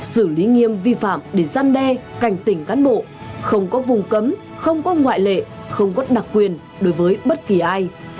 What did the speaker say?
xử lý nghiêm vi phạm để gian đe cảnh tỉnh cán bộ không có vùng cấm không có ngoại lệ không có đặc quyền đối với bất kỳ ai